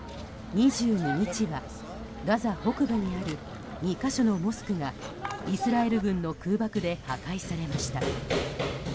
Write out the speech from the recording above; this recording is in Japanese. ２２日は、ガザ北部にある２か所のモスクがイスラエル軍の空爆で破壊されました。